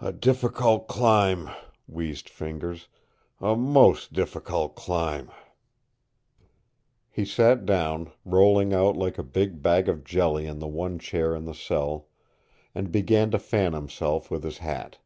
"A difficult climb," wheezed Fingers. "A most difficult climb." He sat down, rolling out like a great bag of jelly in the one chair in the cell, and began to fan himself with his hat.